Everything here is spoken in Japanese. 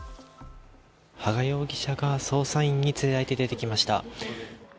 羽賀容疑者が捜査員に連れられて出てきました。